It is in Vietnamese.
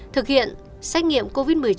thực hiện xét nghiệm covid một mươi chín